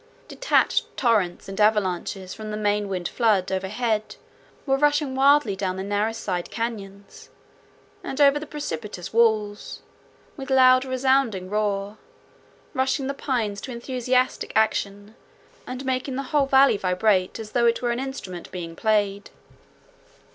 Detached torrents and avalanches from the main wind flood overhead were rushing wildly down the narrow side cañons, and over the precipitous walls, with loud resounding roar, rousing the pines to enthusiastic action, and making the whole valley vibrate as though it were an instrument being played.